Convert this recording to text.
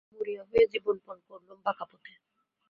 মরিয়া হয়ে জীবন পণ করলুম বাঁকা পথে।